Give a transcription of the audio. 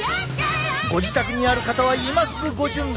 ご自宅にある方は今すぐご準備を！